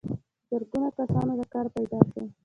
زرګونو کسانو ته کار پیدا شوی.